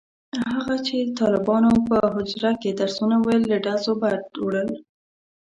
هغه طالبانو چې په حجره کې درسونه ویل له ډزو بد وړل.